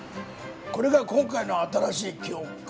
これが今回の新しい記憶か。